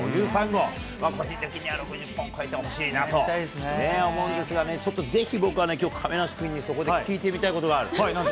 個人的には６０本超えてほしいなと思うんですが、ちょっとぜひ、僕はね、きょう亀梨君に、そこで聞いてみたいことがある。